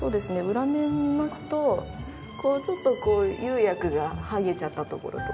裏面見ますとちょっとこう釉薬がはげちゃったところとか。